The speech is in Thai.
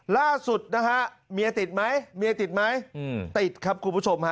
ล่าสุดนะครับเมียติดไหมติดครับคุณผู้ชม